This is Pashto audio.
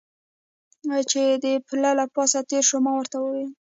چې د پله له پاسه تېر شو، ما ورته وویل.